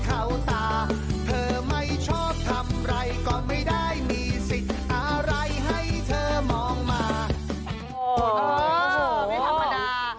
โอ้โหไม่ธรรมดา